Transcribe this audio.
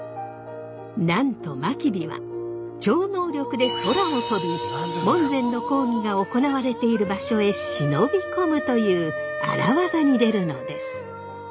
なんと真備は超能力で空を飛び文選の講義が行われている場所へ忍び込むという荒技に出るのです。